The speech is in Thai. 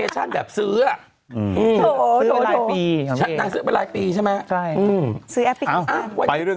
หลายปีใช่ไหมผ่าน